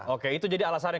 oke itu jadi alasannya